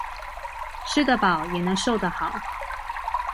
吃得飽，也能瘦得好！